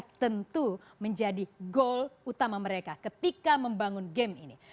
ini tentu menjadi goal utama mereka ketika membangun game ini